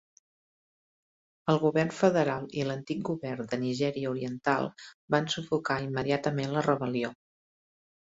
El govern federal i l'antic govern de Nigèria Oriental van sufocar immediatament la rebel·lió.